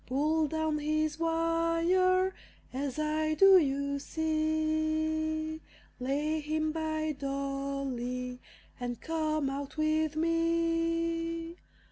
Pull down his wire, as I do, you see; Lay him by Dolly, and come out with me.